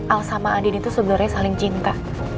al sama adin itu sebenarnya saling cinta